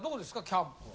キャンプは。